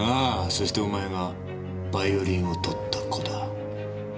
そしてお前がバイオリンを取った子だ。